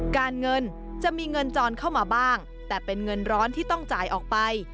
การเงินจะมีเงินจรเข้ามาบ้างแต่เป็นเงินร้อนที่ต้องจ่ายออกไป